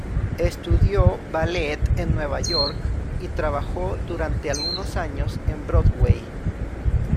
Estudió ballet en Nueva York y trabajó durante algunos años en Broadway.